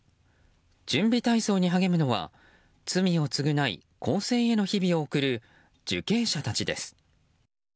準備体操に励むのは罪を償い更生への日々を送る受刑者たちです。